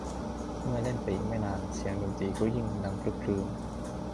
เมื่อแล่นไปอีกไม่นานเสียงดนตรีก็ยิ่งดังครึกครื้น